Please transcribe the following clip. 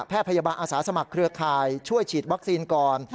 พยาบาลอาสาสมัครเครือข่ายช่วยฉีดวัคซีนก่อน